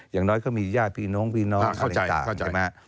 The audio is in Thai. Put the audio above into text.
อย่างน้อยก็มีญาติพี่น้องพี่น้องชาวต่างใช่ไหม